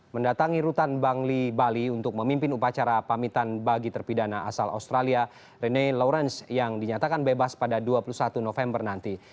mendatangi rutan bangli bali untuk memimpin upacara pamitan bagi terpidana asal australia rene lawrence yang dinyatakan bebas pada dua puluh satu november nanti